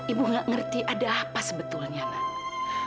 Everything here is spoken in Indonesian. ibu gak ngerti ada apa sebetulnya nana